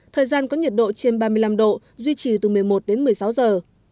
thời gian có nhiệt độ trên ba mươi năm độ duy trì từ một mươi một đến một mươi sáu giờ